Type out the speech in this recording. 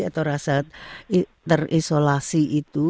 atau rasa terisolasi itu